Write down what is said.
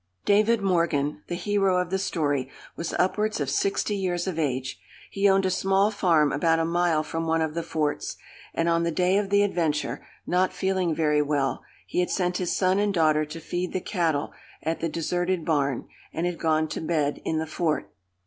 David Morgan, the hero of the story, was upwards of sixty years of age. He owned a small farm about a mile from one of the forts; and on the day of the adventure, not feeling very well, he had sent his son and daughter to feed the cattle, at the deserted barn, and had gone to bed, in the fort.